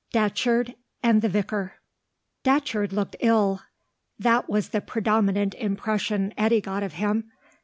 DATCHERD AND THE VICAR. Datcherd looked ill; that was the predominant impression Eddy got of him.